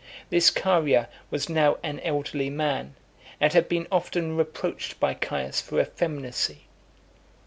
This Chaerea was now an elderly man, and had been often reproached by Caius for effeminacy.